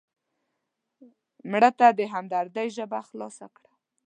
مړه ته د همدردۍ ژبه خلاصه کړه